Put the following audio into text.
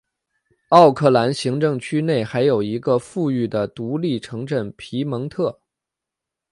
奥克兰行政区内还有一个富裕的独立城镇皮蒙特。